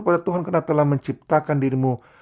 pada tuhan karena telah menciptakan dirimu